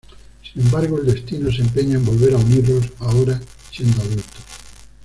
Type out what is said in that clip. Sin embargo, el destino se empeña en volver a unirlos, ahora siendo adultos.